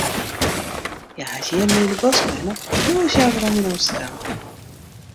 Hja hat jierren yn de bosk wenne, no is hja werom yn Amsterdam.